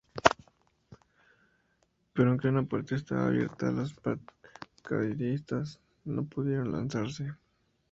Pero aunque una puerta estaba abierta los paracaidistas no pudieron lanzarse.